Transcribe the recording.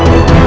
aku mau berani